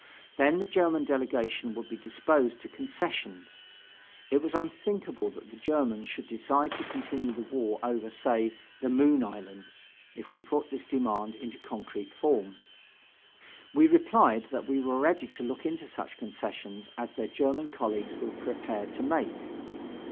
Then the German delegation would be disposed to concessions.... It was unthinkable that the Germans should decide to continue the war over, say, the Moon Islands, if you put this demand in concrete form. We replied that we were ready to look into such concessions as their German colleagues were prepared to make.